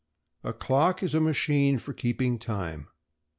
A clock is a machine for keeping time.